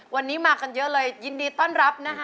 วันนี้มากันเยอะเลยยินดีต้อนรับนะคะ